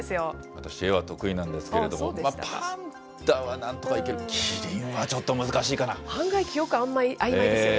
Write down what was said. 私、絵は得意なんですけれども、パンダはなんとかいける、キ案外、記憶あいまいですよね。